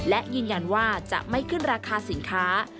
และยืนยันว่าจะไม่ขึ้นราคาสินค้า